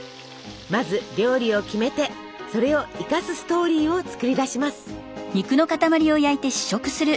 まず料理を決めてそれを生かすストーリーを作り出します。